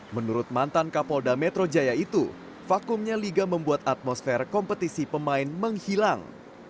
menurut mantan kapolda metro jaya itu vakumnya liga membuat atmosfer kompetisi pemain menghilang